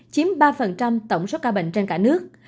chiếm ba tổng số ca bệnh trên cả nước